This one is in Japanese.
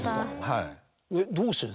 はい。